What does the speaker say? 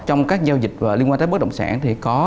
trong các giao dịch liên quan tới bất động sản thì có